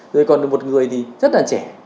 rồi còn một người thì rất là trẻ